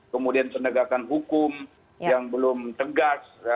kemudian penegakan hukum yang belum tegas